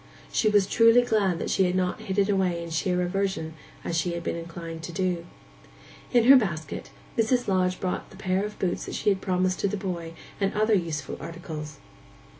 She was truly glad that she had not hidden away in sheer aversion, as she had been inclined to do. In her basket Mrs. Lodge brought the pair of boots that she had promised to the boy, and other useful articles.